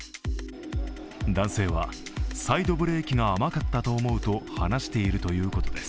男性は、サイドブレーキが甘かったと思うと話しているということです。